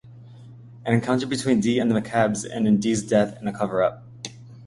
An encounter between Dee and the McCabes ends in Dee's death and a cover-up.